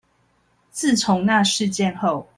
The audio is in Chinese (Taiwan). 自從那事件後